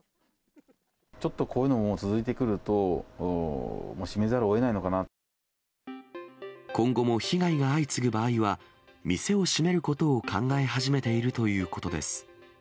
ちょっとこういうのも続いてくると、もう閉めざるをえないの今後も被害が相次ぐ場合は、店を閉めることを考え始めているということです。